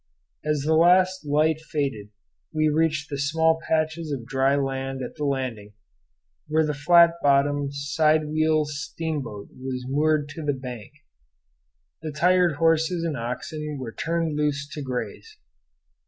As the last light faded we reached the small patches of dry land at the landing, where the flat bottomed side wheel steamboat was moored to the bank. The tired horses and oxen were turned loose to graze.